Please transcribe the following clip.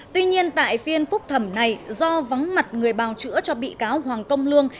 tuy nhiên tại phiên phúc thẩm này do vắng mặt người bào chữa cho bị cáo hoàng công lương